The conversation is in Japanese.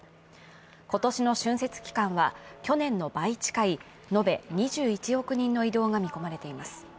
今年の春節期間は去年の倍近い延べ２１億人の移動が見込まれています。